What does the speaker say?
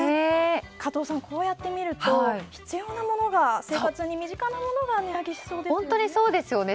加藤さん、こうやってみると必要なもの、生活に身近なものが本当にそうですね。